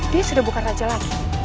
dia sudah bukan raja lagi